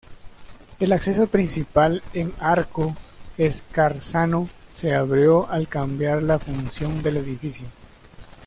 El acceso principal en arco escarzano se abrió al cambiar la función del edificio.